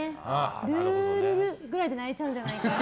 ルールルぐらいで泣いちゃうんじゃないかな？